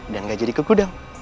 dan gak jadi ke gudang